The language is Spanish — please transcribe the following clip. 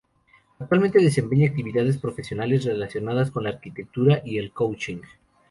Actualmente desempeña actividades profesionales relacionadas con la arquitectura y el coaching.